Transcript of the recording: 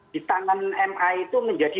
di tangan ma itu menjadi